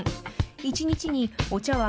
１日にお茶わん